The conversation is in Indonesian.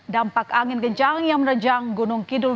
dampak angin kencang yang menerjang gunung kidul